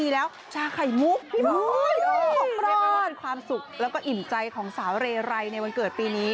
แล้วก็อิ่มใจของสาวเรไรในวันเกิดปีนี้